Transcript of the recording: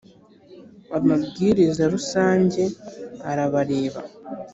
amabwiriza rusanjye arabareba